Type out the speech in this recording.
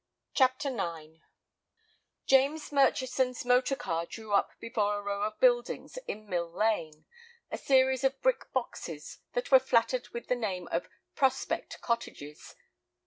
CHAPTER IX James Murchison's motor car drew up before a row of buildings in Mill Lane, a series of brick boxes that were flattered with the name of "Prospect Cottages."